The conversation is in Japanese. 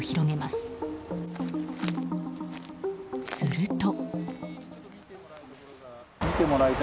すると。